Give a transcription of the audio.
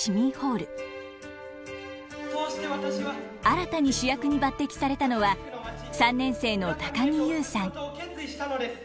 新たに主役に抜てきされたのは３年生の高木優さん。